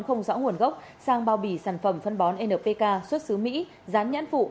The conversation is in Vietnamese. không rõ nguồn gốc sang bao bì sản phẩm phân bón npk xuất xứ mỹ dán nhãn phụ